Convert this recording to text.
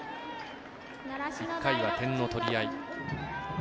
１回は点の取り合い。